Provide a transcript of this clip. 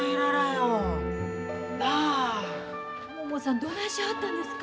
ももさんどないしはったんですか？